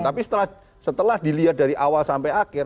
tapi setelah dilihat dari awal sampai akhir